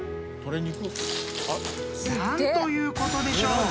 ［何ということでしょう？